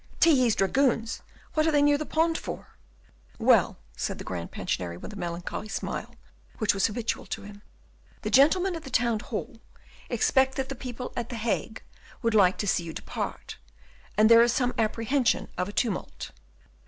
"Tilly's dragoons! What are they near the pond for?" "Well," said the Grand Pensionary with a melancholy smile which was habitual to him, "the gentlemen at the Town hall expect that the people at the Hague would like to see you depart, and there is some apprehension of a tumult."